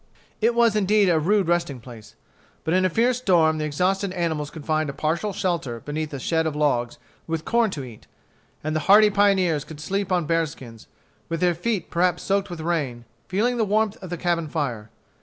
It was indeed a rude resting place. But in a fierce storm the exhausted animals could find a partial shelter beneath a shed of logs, with corn to eat; and the hardy pioneers could sleep on bear skins, with their feet perhaps soaked with rain, feeling the warmth of the cabin fire.